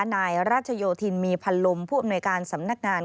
นายรัชโยธินมีพันลมผู้อำนวยการสำนักงาน